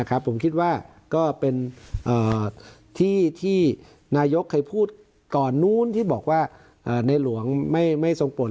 อ่าที่ที่นายกเคยพูดก่อนนู้นที่บอกว่าอ่าในหลวงไม่ไม่ทรงปวดแล้ว